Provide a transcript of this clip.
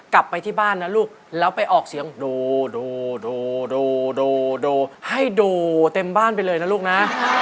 กลับไปที่บ้านนะลูกแล้วไปออกเสียงดูดูดูให้ดูเต็มบ้านไปเลยนะลูกนะ